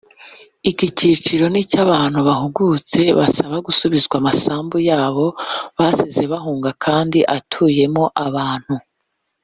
iki cyiciro ni icy abantu bahungutse basaba gusubizwa amasambu yabo basize bahunga kandi atuyemo abantu